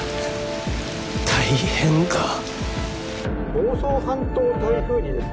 房総半島台風にですね